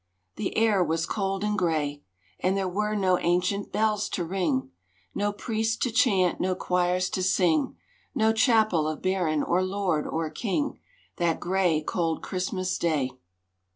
The air was cold and gray, And there were no ancient bells to ring, No priests to chant, no choirs to sing, No chapel of baron, or lord, or king, That gray, cold Christmas Day.